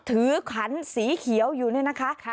ขันสีเขียวอยู่นี่นะคะ